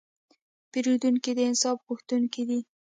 پیرودونکی د انصاف غوښتونکی دی.